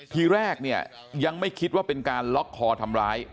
ทีแรกเนี่ยยังไม่คิดว่าเป็นการล็อกคอทำร้าย